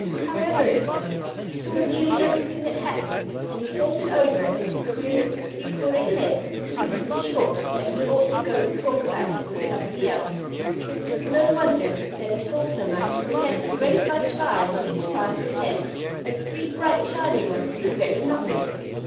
However it was, he saw nearly everything that happened, and thought it over in his queer little three cornered head until he was sure that he ought to go to talk about it with somebody else. It was no wonder that he saw so much, for he had a great bunch of eyes on each side of his head, and three bright, shining ones on the very top of it.